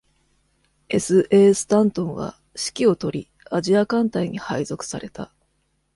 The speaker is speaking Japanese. S.A. スタントンは、指揮をとり、アジア艦隊に配属された。